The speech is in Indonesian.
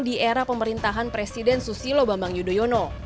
di era pemerintahan presiden susilo bambang yudhoyono